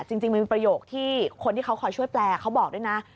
จริงมันมีประโยคที่คนที่เขาคอยช่วยแปลเขาบอกด้วยนะ